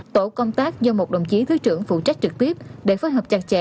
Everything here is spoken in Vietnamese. tổ công tác do một đồng chí thứ trưởng phụ trách trực tiếp để phối hợp chặt chẽ